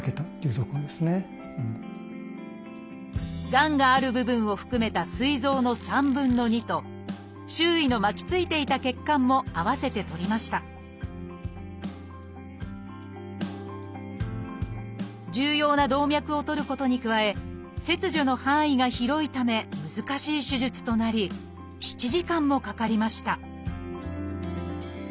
がんがある部分を含めたすい臓の３分の２と周囲の巻きついていた血管も併せて取りました重要な動脈を取ることに加え切除の範囲が広いため難しい手術となり７時間もかかりました